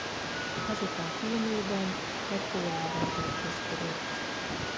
Azután Fiumében majd Pólában tartózkodott.